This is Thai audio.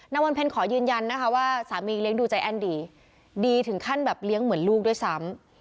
วันเพ็ญขอยืนยันนะคะว่าสามีเลี้ยงดูใจแอ้นดีดีถึงขั้นแบบเลี้ยงเหมือนลูกด้วยซ้ำ